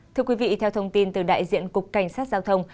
thưa quý vị theo thông tin từ đại diện cục cảnh sát giao thông